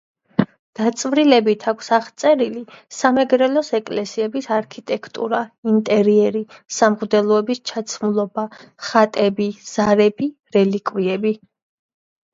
დაწვრილებით აქვს აღწერილი სამეგრელოს ეკლესიების არქიტექტურა, ინტერიერი, სამღვდელოების ჩაცმულობა, ხატები, ზარები, რელიკვიები.